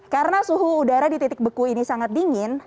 karena suhu udara di titik beku ini sangat dingin